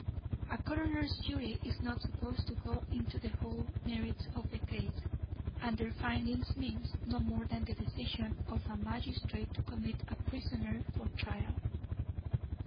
A coroner's jury is not supposed to go into the whole merits of the case, and their finding means no more than the decision of a magistrate to commit a prisoner for trial.